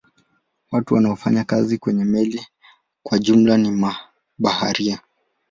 Watu wanaofanya kazi kwenye meli kwa jumla ni mabaharia.